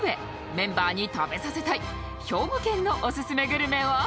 メンバーに食べさせたい兵庫県のオススメグルメは？